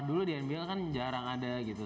dulu di handil kan jarang ada gitu